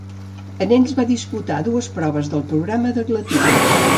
En ells va disputar dues proves del programa d'atletisme.